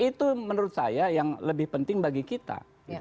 itu menurut saya yang lebih penting bagi kita